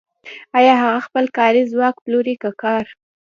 آیا هغه خپل کاري ځواک پلوري که کار